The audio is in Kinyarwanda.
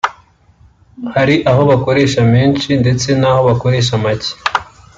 hari aho bakoresha menshi ndetse n’aho bakoresha macye